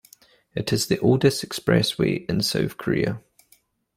It is the oldest expressway in South Korea.